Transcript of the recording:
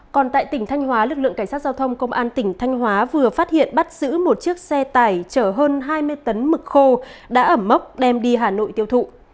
còn tại tỉnh thanh hóa lực lượng cảnh sát giao thông công an tỉnh thanh hóa vừa phát hiện bắt giữ một chiếc xe tải chở hơn hai mươi tấn mực khô đã ẩm mốc đem đi hà nội tiêu thụ